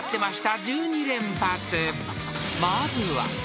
［まずは。